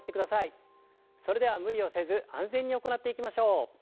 それでは無理をせず安全に行っていきましょう。